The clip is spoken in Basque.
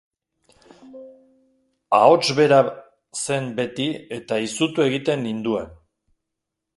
Ahots bera zen beti eta izutu egiten ninduen.